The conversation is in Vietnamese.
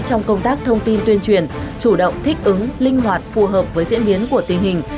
trong công tác thông tin tuyên truyền chủ động thích ứng linh hoạt phù hợp với diễn biến của tình hình